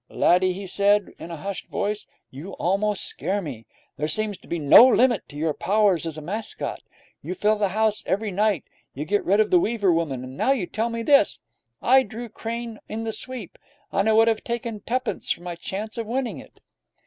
'Laddie,' he said, in a hushed voice, 'you almost scare me. There seems to be no limit to your powers as a mascot. You fill the house every night, you get rid of the Weaver woman, and now you tell me this. I drew Crane in the sweep, and I would have taken twopence for my chance of winning it.'